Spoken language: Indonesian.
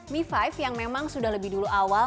mi lima yang memang sudah lebih dulu awal